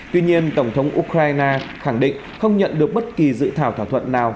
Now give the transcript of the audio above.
tuy nhiên tổng thống ukraine khẳng định không nhận được bất kỳ dự thảo thỏa thuận nào